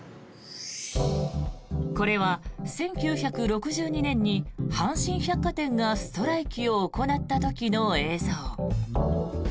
これは１９６２年に阪神百貨店がストライキを行った時の映像。